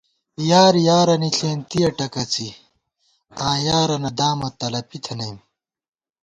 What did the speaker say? یار یارَنی ݪېنتِیَہ ٹکَڅی، آں یارَنہ دامہ تلَپی تھنَئیم